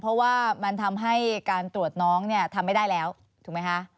เพราะว่ามันทำให้การตรวจน้องเนี่ยทำไม่ได้แล้วถูกไหมคะ